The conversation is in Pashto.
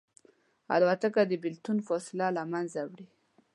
الوتکه د بېلتون فاصله له منځه وړي.